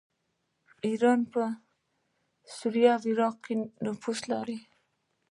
ایران په سوریه او عراق کې نفوذ لري.